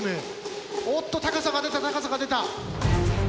おっと高さが出た高さが出た。